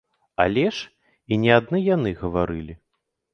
Але ж і не адны яны гаварылі.